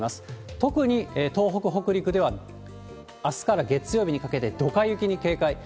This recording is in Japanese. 特に東北、北陸では、あすから月曜日にかけて、ドカ雪に警戒。